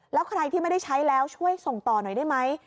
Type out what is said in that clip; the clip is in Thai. แล้วใครที่ไม่ได้ใช้แล้วช่วยส่งต่อหน่อยได้ไหม